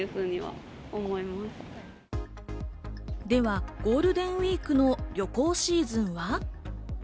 ではゴールデンウイークの旅行シーズンは？